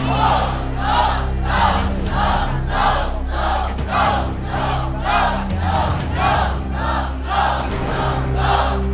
สู้ค่ะ